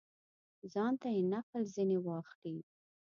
ځانته یې نقل ځني واخلي.